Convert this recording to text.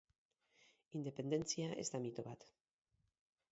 Independentzia ez da mito bat.